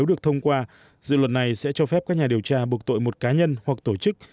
được thông qua dự luật này sẽ cho phép các nhà điều tra buộc tội một cá nhân hoặc tổ chức